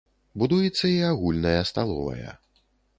Будуецца і агульная сталовая.